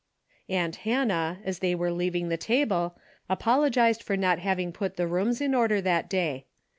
Aunt Hannah, as they were leaving the table, apologized for not having put the rooms in order that day.